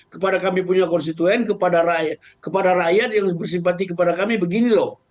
kepada kami punya konstituen kepada rakyat yang harus bersimpati kepada kami begini loh